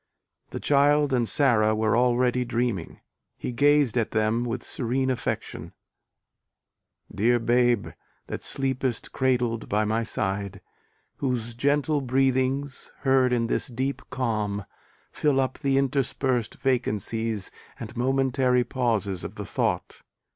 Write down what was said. The child and Sara were already dreaming: he gazed at them with serene affection: Dear Babe, that sleepest cradled by my side, Whose gentle breathings, heard in this deep calm, Fill up the interspersed vacancies And momentary pauses of the thought!